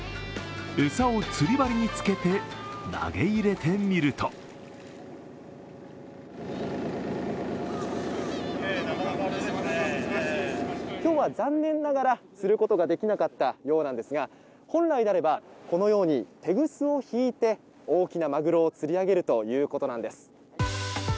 餌を釣り針につけて、投げ入れてみると今日は、残念ながら釣ることができなかったようなんですが本来であれば、このようにテグスを引いて大きなまぐろを釣り上げるということなんです。